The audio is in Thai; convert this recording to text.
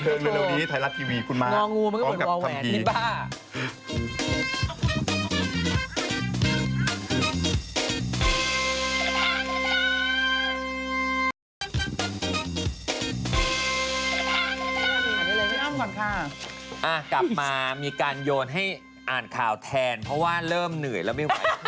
ขอเลยนี่เลยกินอ้ำก่อนค่ะอ่ะกลับมามีการโยนให้อ่านข่าวแทนเพราะว่าเริ่มเหนื่อยแล้วไม่ไหวโทร